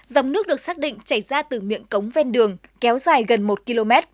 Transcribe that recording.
dòng nước được xác định chảy ra từ miệng cống ven đường kéo dài gần một km